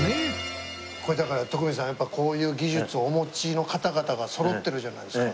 これだから徳光さんこういう技術のお持ちの方々がそろってるじゃないですか。